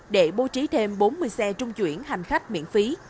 để bố trí thêm bốn mươi xe trung chuyển hành khách miễn phí